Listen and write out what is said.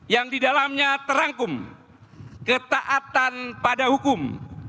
yang didalamnya terangkum ketaatan pada hukum